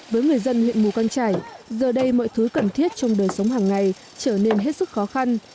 với người dân huyện mù căng trải giờ đây mọi thứ cần thiết trong đời sống hàng ngày trở nên hết sức khó khăn